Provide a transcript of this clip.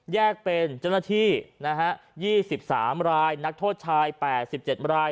แยกเป็นเจ้าหน้าที่นะฮะยี่สิบสามรายนักโทษชายแปดสิบเจ็ดราย